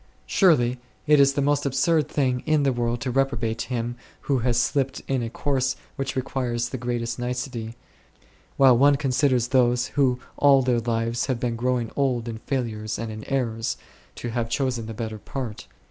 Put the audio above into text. Surely it is the most absurd thing in the world to reprobate him who has slipped in a course which requires the greatest nicety, while one considers those who all their lives have been growing old in failures and in errors, to have chosen the better part.